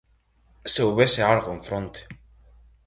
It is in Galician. Se houbese algo en fronte.